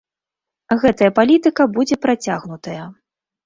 Гэтая палітыка будзе працягнутая.